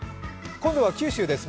今度は九州です。